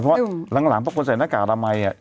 เพราะหลังเพราะคนใส่หน้ากากอนามัย